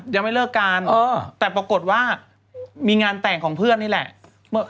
ยังไม่เลิกกันแต่ปรากฏว่ามีงานแต่งของเพื่อนนี่แหละ